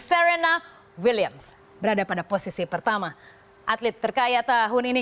serena williams berada pada posisi pertama atlet terkaya tahun ini